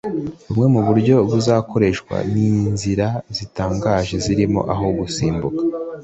Bumwe mu buryo buzakoreshwa ni inzira zitangaje zirimo aho gusimbuka